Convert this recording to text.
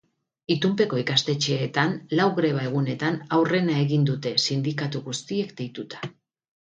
Itunpeko ikastetxeetan lau greba egunetan aurrena egin dute sindikatu guztiek deituta.